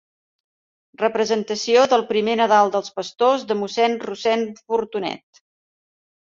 Representació del "Primer Nadal dels Pastors" de mossèn Rossend Fortunet.